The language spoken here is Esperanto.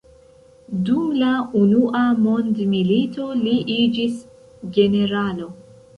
Dum la unua mondmilito li iĝis generalo.